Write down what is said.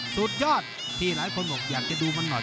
สุดยอดที่หลายคนบอกอยากจะดูมันหน่อย